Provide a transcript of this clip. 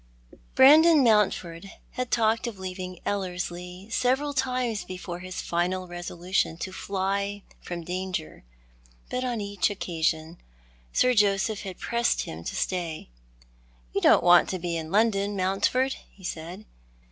Beandon Mountfokd had talked of leaving Ellerslie several times before his final resolution to fly from danger; but on each occasion Sir Joseph had pressed him to stay. "You don't want to be in London, Mountford," he said.